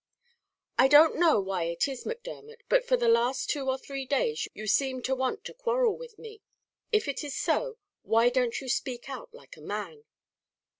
"I don't know why it is, Macdermot, but for the last two or three days you seem to want to quarrel with me; if it is so, why don't you speak out like a man?"